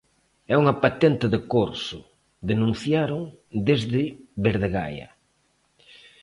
"É unha patente de corso", denunciaron desde Verdegaia.